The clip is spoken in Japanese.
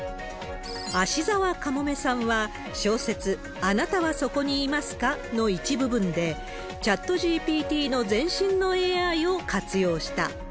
葦沢かもめさんは小説、あなたはそこにいますか？の一部分で、チャットＧＰＴの前身のＡＩを活用した。